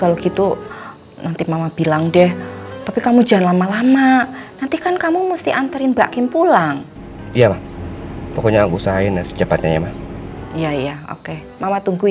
ya lo gitu nanti mama bilang deh tapi kamu jangan lama lama nanti kan kamu musti anterin bakim pulang iya pokoknya aku usahain ya secepatnya ya ma iya oke mama tunggu ya